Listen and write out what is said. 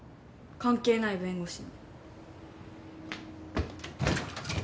関係ない弁護士に。